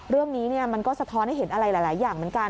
เรื่องนี้มันก็สะท้อนให้เห็นอะไรหลายอย่างเหมือนกัน